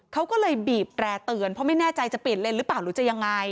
เขาก็เลยบีบแร่เตือนเพราะไม่แน่ใจจะเปลี่ยนเลนหรือเปล่าหรือจะยังไง